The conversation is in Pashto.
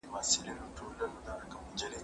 په لكونو وه راغلي عالمونه